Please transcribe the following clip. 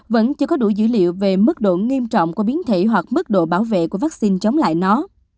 vẫn chưa có đủ dữ liệu về mức độ nghiêm trọng của biến thể hoặc mức độ bảo vệ của vaccine chống lại nó